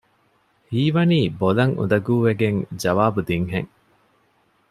ހީވަނީ ބޮލަށް އުނދަގޫވެގެން ޖަވާބު ދިން ހެން